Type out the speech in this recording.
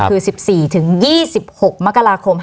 คือ๑๔๒๖มก๕๗